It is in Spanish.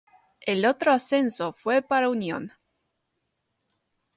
El otro ascenso fue para Unión.